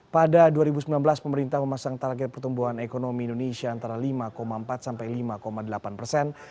pada dua ribu sembilan belas pemerintah memasang target pertumbuhan ekonomi indonesia antara lima empat sampai lima delapan persen